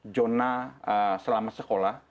jonah selamat sekolah